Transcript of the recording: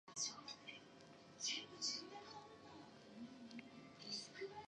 "Newark" soon suffered engine failure and had to be towed back to Halifax.